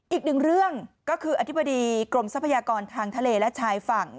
อีกหนึ่งเรื่องก็คืออธิบดีกรมทรัพยากรทางทะเลและชายฝั่ง